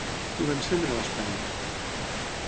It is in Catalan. Qui va encendre l'espelma?